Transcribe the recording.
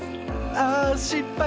あしっぱい。